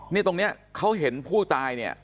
เนี่ยตรงนี้เขาเห็นผู้ตายเนี่ย